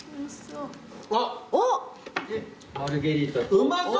うまそう！